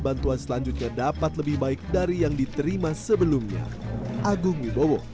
bantuan selanjutnya dapat lebih baik dari yang diterima sebelumnya